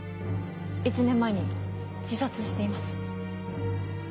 １年前に自殺しています。